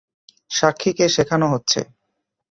সাক্ষীকে শেখানো হচ্ছে।